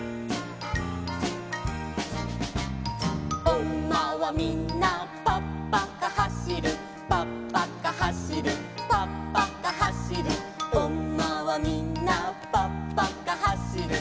「おんまはみんなぱっぱかはしる」「ぱっぱかはしるぱっぱかはしる」「おんまはみんなぱっぱかはしる」